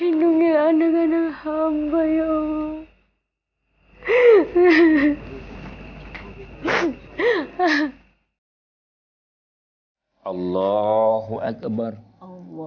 hindungilah anda dengan alhamdulillah ya allah